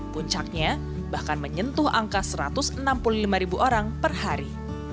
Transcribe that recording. puncaknya bahkan menyentuh angka satu ratus enam puluh lima ribu orang per hari